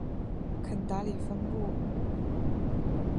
肯达里分布。